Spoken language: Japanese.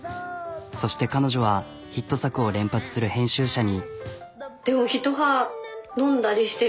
そして彼女はヒット作を連発する編集者に。